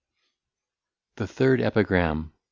The Third EPIGRAM.